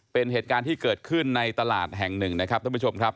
เป็นเหตุการณ์ที่เกิดขึ้นในตลาดแห่งหนึ่งนะครับท่านผู้ชมครับ